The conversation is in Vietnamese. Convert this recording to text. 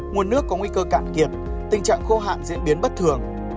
nguồn nước có nguy cơ cạn kiệt tình trạng khô hạn diễn biến bất thường